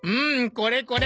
これこれ！